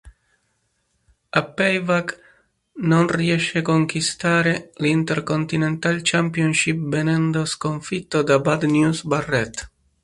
A Payback non riesce a conquistare l'Intercontinental Championship venendo sconfitto da Bad News Barrett.